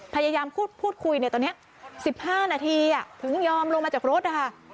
พยายามพูดคุยในตอนนี้๑๕นาทีถึงยอมลงมาจากรถนะคะ